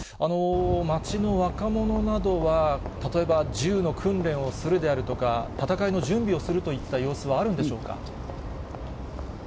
町の若者などは、例えば銃の訓練をするであるとか、戦いの準備をするといった様子はあるんでしょうか。